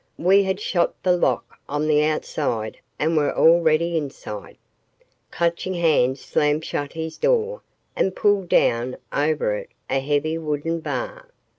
We had shot the lock on the outside and were already inside. Clutching Hand slammed shut his door and pulled down over it a heavy wooden bar.